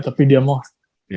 tapi dia mau